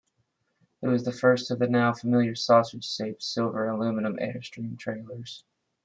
It was the first of the now familiar sausage-shaped, silver aluminum Airstream trailers.